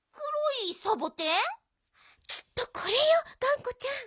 きっとこれよがんこちゃん。